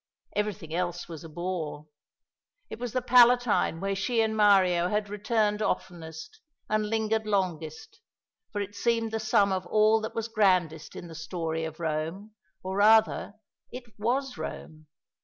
Everything else was a bore. It was the Palatine where she and Mario had returned oftenest and lingered longest, for it seemed the sum of all that was grandest in the story of Rome, or, rather, it was Rome.